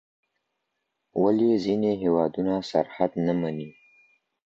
ولي ځيني هیوادونه سرحد نه مني؟